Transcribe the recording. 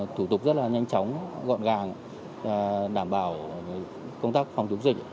thủ tục rất là nhanh chóng gọn gàng đảm bảo công tác phòng chống dịch